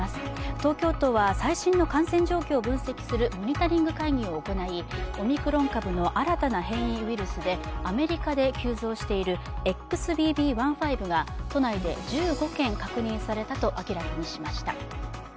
東京都は最新の感染状況を分析するモニタリング会議を行いオミクロン株の新たな変異ウイルスでアメリカで急増しているＸＢＢ．１．５が都内で１５件確認されたと明らかにしました。